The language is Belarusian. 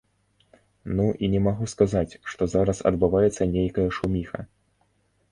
Ну, і не магу сказаць, што зараз адбываецца нейкая шуміха.